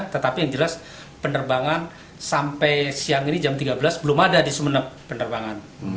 tetapi yang jelas penerbangan sampai siang ini jam tiga belas belum ada di sumeneb penerbangan